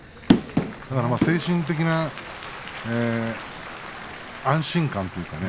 精神的な安心感といいますか。